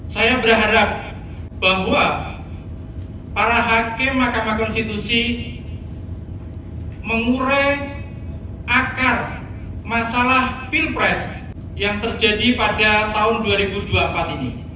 saya berharap bahwa para hakim mahkamah konstitusi mengurai akar masalah pilpres yang terjadi pada tahun dua ribu dua puluh empat ini